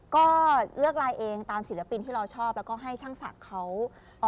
ก็เลือกไลน์เองตามศิลปินที่เราชอบแล้วก็ให้ช่างศักดิ์เขา